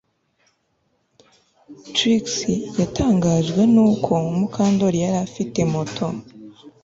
Trix yatangajwe nuko Mukandoli yari afite moto